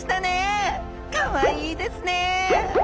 かわいいですねえ。